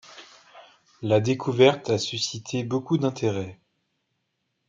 La découverte a suscité beaucoup d'intérêt.